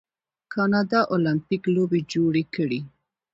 کاناډا المپیک لوبې جوړې کړي.